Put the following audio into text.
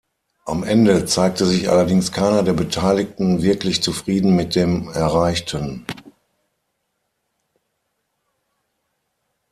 Am Ende zeigte sich allerdings keiner der Beteiligten wirklich zufrieden mit dem Erreichten.